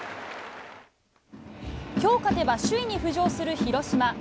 きょう勝てば首位に浮上する広島。